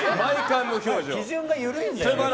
基準が緩いんだよ。